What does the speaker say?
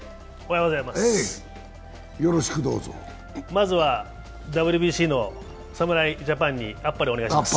まずは、ＷＢＣの侍ジャパンにあっぱれお願いします。